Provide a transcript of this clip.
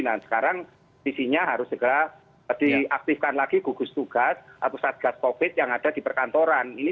nah sekarang isinya harus segera diaktifkan lagi gugus tugas atau satgas covid yang ada di perkantoran